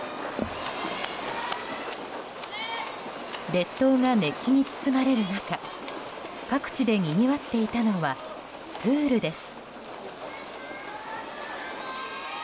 列島が熱気に包まれる中各地でにぎわっていたのはプールです。